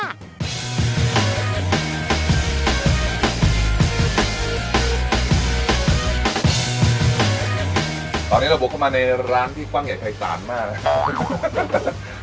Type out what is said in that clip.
ตอนนี้เราบุกเข้ามาในร้านที่กว้างใหญ่ภายศาลมากนะครับ